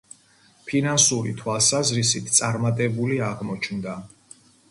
ფინანსური თვალსაზრისით წარმატებული აღმოჩნდა.